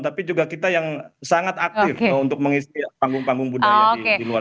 tapi juga kita yang sangat aktif untuk mengisi panggung panggung budaya di luar